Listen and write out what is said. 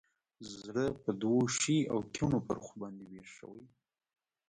زړه په دوو ښي او کیڼو برخو باندې ویش شوی.